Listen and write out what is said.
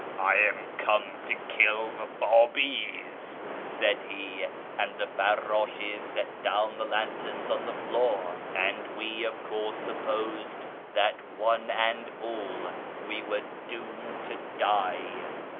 ' I am come to kill the Biibi's,' said he, as the /cwr^is/ies set down the lanterns on the floor; and we, of course, supposed that one and all we were doomed to die.